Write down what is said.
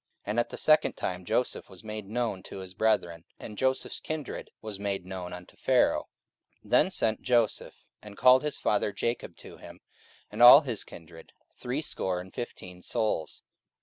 44:007:013 And at the second time Joseph was made known to his brethren; and Joseph's kindred was made known unto Pharaoh. 44:007:014 Then sent Joseph, and called his father Jacob to him, and all his kindred, threescore and fifteen souls.